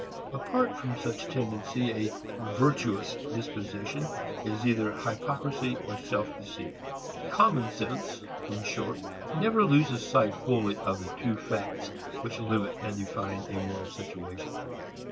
Apart from such tendency a "virtuous" disposition is either hypocrisy or self deceit. Common sense in short never loses sight wholly of the two facts which limit and define a moral situation.